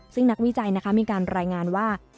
ซึ่งนักวิจัยนะคะมีการรายงานว่า